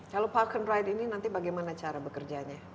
kalau park and ride ini nanti bagaimana cara bekerjanya